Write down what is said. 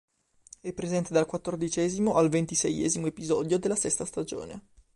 È presente dal quattordicesimo al ventiseiesimo episodio della sesta stagione.